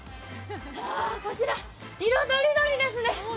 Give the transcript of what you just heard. こちら、色とりどりですね。